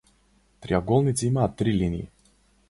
Триаголници имаат три линии.